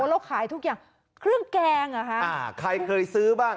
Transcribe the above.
เราขายทุกอย่างเครื่องแกงเหรอฮะอ่าใครเคยซื้อบ้าง